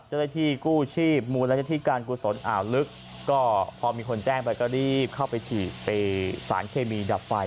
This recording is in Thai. จะได้ที่กู้ชีพมูลและที่การกู้สนอ่าวลึกก็พอมีคนแจ้งไปก็รีบเข้าไปฉีดเปรียสารเคมีดับไฟ